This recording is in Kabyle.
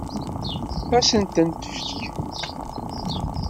Ad sen-ten-tefk?